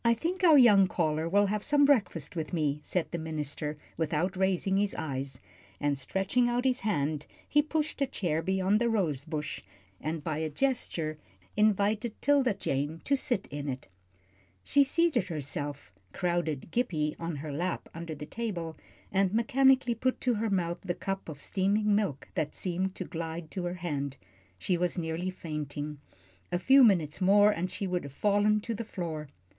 "I think our young caller will have some breakfast with me," said the minister, without raising his eyes, and stretching out his hand he pushed a chair beyond the rose bush, and by a gesture invited 'Tilda Jane to sit in it. She seated herself, crowded Gippie on her lap under the table, and mechanically put to her mouth the cup of steaming milk that seemed to glide to her hand. She was nearly fainting. A few minutes more, and she would have fallen to the floor.